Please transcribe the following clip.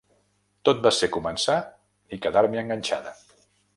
Tot va ser començar i quedar-m’hi enganxada.